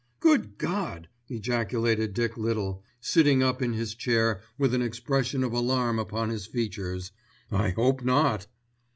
"Good God!" ejaculated Dick Little, sitting up in his chair with an expression of alarm upon his features. "I hope not."